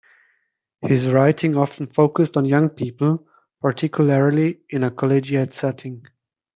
His writing often focused on young people, particularly in a collegiate setting.